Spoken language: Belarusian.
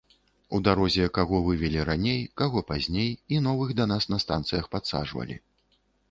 У дарозе каго вывелі раней, каго пазней, і новых да нас на станцыях падсаджвалі.